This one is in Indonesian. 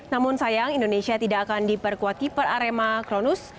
namun sayang indonesia tidak akan diperkuat di perarema kronus